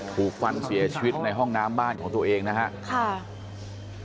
ถูกฟันเสียชีวิตในห้องน้ำบ้านของตัวเองนะครับ